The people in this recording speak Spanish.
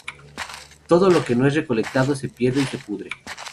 Todo lo que no es recolectado se pierde y se pudre.